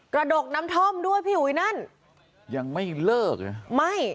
กระดกน้ำท่อมด้วยผิวอีนั้นยังไม่เลิกไม่